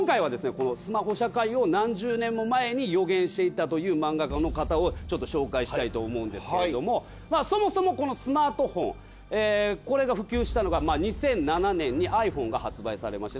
このスマホ社会を何十年も前に予言していたという漫画家の方をちょっと紹介したいと思うんですけれどもそもそもこのスマートフォンこれが普及したのが２００７年にｉＰｈｏｎｅが発売されまして。